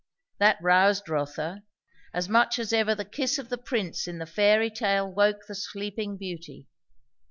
That roused Rotha, as much as ever the kiss of the prince in the fairy tale woke the sleeping beauty.